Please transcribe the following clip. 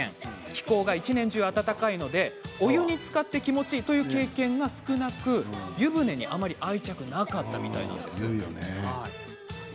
気候が一年中暖かいのでお湯につかって気持ちいいという経験が少なく湯船に、あまり愛着はなかったといいます。